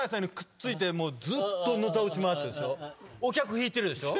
お客引いてるでしょ。